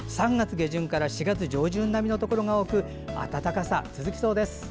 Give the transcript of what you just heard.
３月下旬から４月上旬並みのところが多く暖かさ続きそうです。